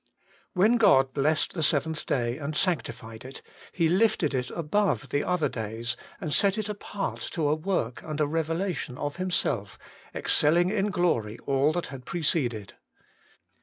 When God blessed the seventh day, and sanctified HOLINESS AND CREATION. 29 it, He lifted it above the other days, and set it apart to a work and a revelation of Himself, excelling in glory all that had preceded.